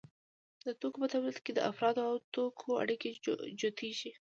د توکو په تولید کې د افرادو او توکو اړیکې جوتېږي